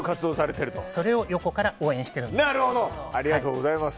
それを横から応援しているんです。